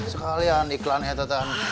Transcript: sekalian iklannya tetan